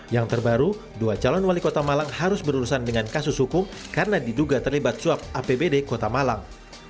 yang terbaru dua calon wali kota malang harus berurusan dengan kasus hukum karena diduga terlibat suap apbd kota malang